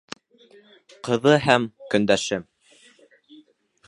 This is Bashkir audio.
Ҡыҙы һәм... көндәше.